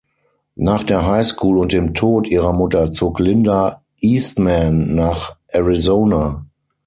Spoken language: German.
Nach der High School und dem Tod ihrer Mutter zog Linda Eastman nach Arizona.